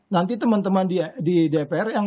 nanti teman teman di dpr yang